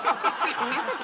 んなこと。